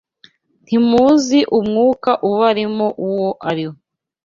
Ntimuzi umwuka ubarimo uwo ari wo